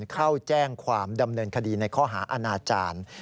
เข้าแจ้งความดำเนินคดีในข้อหาอาณาจารย์